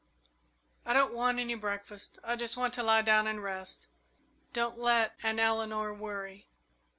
"I don't want any breakfast I just want to lie down and rest. Don't let Aunt Eleanor worry."